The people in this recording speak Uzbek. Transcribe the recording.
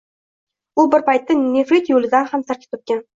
U bilan bir paytda „nefrit yoʻli“ ham tarkib topgan.